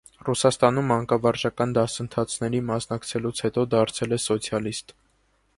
Ռուսաստանում մանկավարժական դասընթացների մասնակցելուց հետո դարձել է սոցիալիստ։